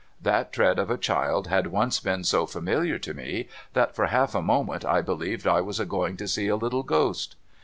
That tread of a child had once been so familiar to me, tliat for half a moment I believed I was a going to see a little ghost.